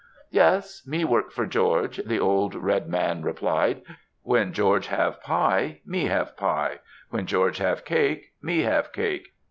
"Yes, me work for George," the old red man re plied; "when George have pie, me have pie; when George have cake, me have cake.